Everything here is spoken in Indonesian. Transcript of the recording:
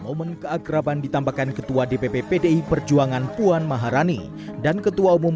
momen keakraban ditambahkan ketua dpp pdi perjuangan puan maharani dan ketua umum